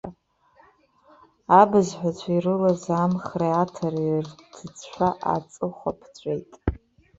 Абызҳәацәа ирылаз амхреи-аҭареи рҭыӡшәа аҵыхәа ԥҵәеит.